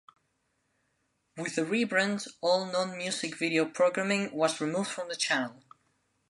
With the rebrand, all non-music video programming was removed from the channel.